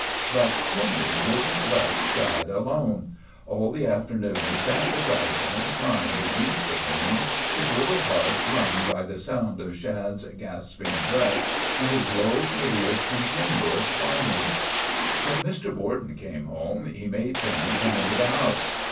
But Timmy would n't let Shad alone. All the afternoon he sat beside him, trying to ease the pain, his little heart wrung by the sound of Shad's gasping breath and his low, piteous, continuous whining. When Mr. Borden came home he made Timmy come into the house.